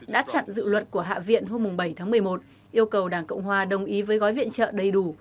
đã chặn dự luật của hạ viện hôm bảy tháng một mươi một yêu cầu đảng cộng hòa đồng ý với gói viện trợ đầy đủ